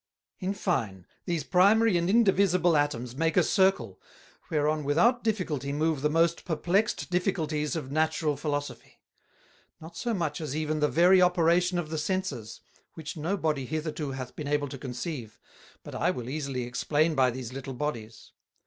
"In fine, these Primary and indivisible Atomes make a Circle, whereon without difficulty move the most perplexed Difficulties of Natural Philosophy; not so much as even the very Operation of the Senses, which no Body hitherto hath been able to conceive, but I will easily explain by these little Bodies.